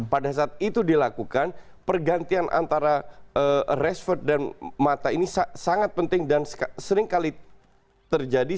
pada saat itu dilakukan pergantian antara rashford dan mata ini sangat penting dan seringkali terjadi